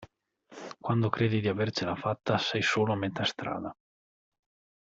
Quando credi di avercela fatta sei solo a metà strada.